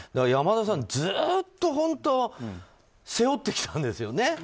山田さん、ずっと本当に、背負ってきたんですよね。